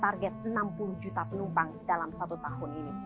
penerbangan penerbangan mencapai target enam puluh juta penumpang dalam satu tahun ini